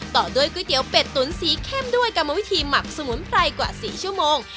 ต่อด้วยก๋วยเตี๋ยวเป็ดตุ๋นสีเข้มด้วยกรรมวิธีหมักสมุนไพรกว่า๔ชั่วโมง